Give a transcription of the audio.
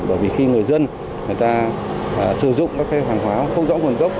bởi vì khi người dân sử dụng các hàng hóa không rõ nguồn gốc